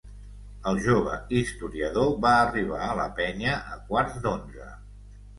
El jove historiador va arribar a la penya a quarts d'onze.